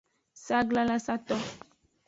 Saglalasato.